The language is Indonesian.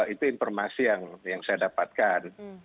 itu informasi yang saya dapatkan